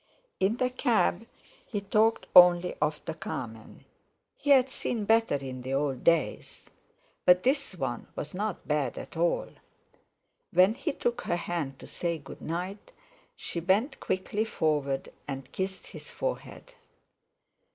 In the cab he talked only of the Carmen; he had seen better in the old days, but this one was not bad at all. When he took her hand to say good night, she bent quickly forward and kissed his forehead.